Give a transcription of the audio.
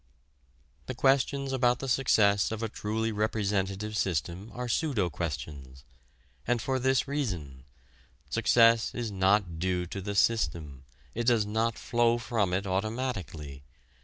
The questions about the success of a truly representative system are pseudo questions. And for this reason: success is not due to the system; it does not flow from it automatically.